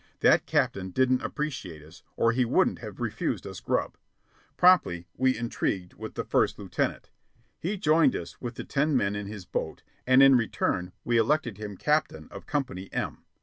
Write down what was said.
That captain didn't appreciate us, or he wouldn't have refused us grub. Promptly we intrigued with the first lieutenant. He joined us with the ten men in his boat, and in return we elected him captain of Company M.